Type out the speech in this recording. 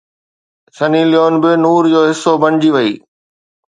سني ليون به نور جو حصو بڻجي وئي